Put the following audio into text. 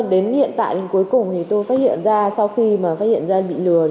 đến hiện tại cuối cùng tôi phát hiện ra sau khi phát hiện ra bị lừa